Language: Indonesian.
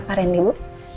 pak rendy bu